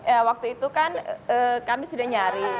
ya waktu itu kan kami sudah nyari